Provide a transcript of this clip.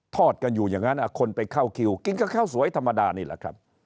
อดกันอยู่อย่างนั้นคนไปเข้าคิวกินกับข้าวสวยธรรมดานี่แหละครับ